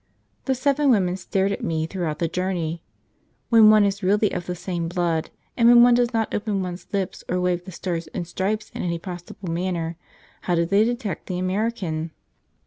The seven women stared at me throughout the journey. When one is really of the same blood, and when one does not open one's lips or wave the stars and stripes in any possible manner, how do they detect the American?